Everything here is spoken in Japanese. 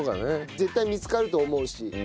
絶対見つかると思うし。